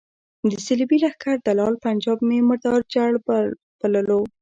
د صلیبي لښکر دلال پنجاب مې مردار جړ بللو.